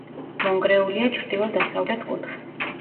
მონგრეულია ჩრდილო-დასავლეთ კუთხე.